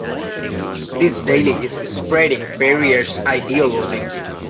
This daily is spreading Periyar’s ideology.